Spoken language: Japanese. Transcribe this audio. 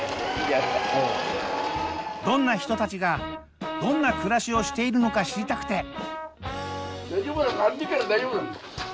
どんな人たちがどんな暮らしをしているのか知りたくて。